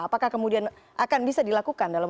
apakah kemudian akan bisa dilakukan dalam